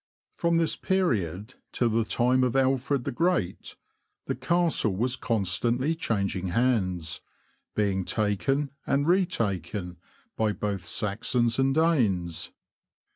From this period till the time of Alfred the Great, the Castle was constantly changing hands, being taken and retaken by both Saxons and Danes.